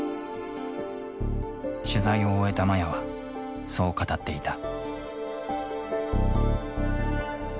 取材を終えたマヤはそう語っていた。